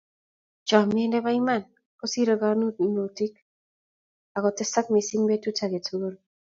Chomyeet nebo iman kosiirei konokutik ak kotesak mising betut age tugul